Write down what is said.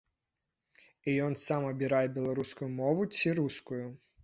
І ён сам абірае беларускую мову ці рускую.